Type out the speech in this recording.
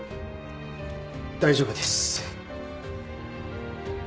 大丈夫です。